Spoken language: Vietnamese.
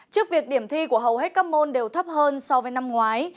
trước việc điểm thi của hầu hết các môn đều thấp hơn so với năm ngoái